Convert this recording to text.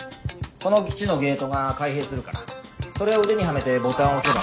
この基地のゲートが開閉するからそれを腕にはめてボタンを押せば。